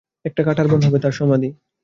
একটা কাঁটার বন হবে তার সমাধি।